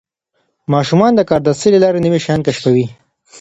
ماشومان د کاردستي له لارې نوي شیان کشفوي.